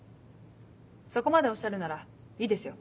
そこまでおっしゃるならいいですよ。